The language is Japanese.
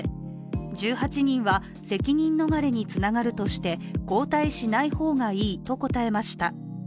１８人は責任逃れにつながるとして交代しない方がいいと答えました。